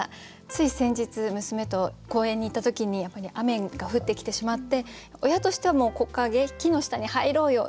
つい先日娘と公園に行った時にやっぱり雨が降ってきてしまって親としてはもう木陰木の下に入ろうよ。